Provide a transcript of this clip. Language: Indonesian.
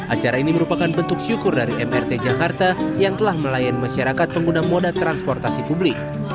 acara ini merupakan bentuk syukur dari mrt jakarta yang telah melayan masyarakat pengguna moda transportasi publik